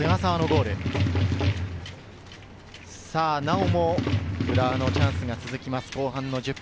なおも浦和のチャンスが続きます。